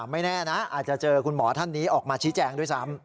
ไม่แน่นะอาจจะเจอคุณหมอท่านนี้ออกมาชี้แจงด้วยซ้ำ